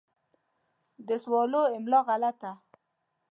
د سوالو املا غلطه